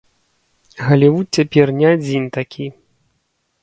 Галівуд цяпер не адзін такі.